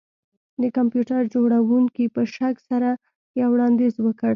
د کمپیوټر جوړونکي په شک سره یو وړاندیز وکړ